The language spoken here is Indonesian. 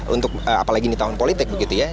untuk apalagi di tahun politik begitu ya